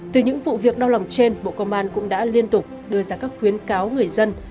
từ những vụ việc đau lòng trên bộ công an cũng đã liên tục đưa ra các khuyến cáo người dân